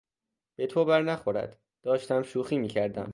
به تو برنخورد، داشتم شوخی میکردم!